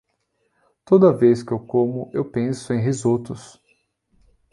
Toda vez que eu como eu penso em risotos.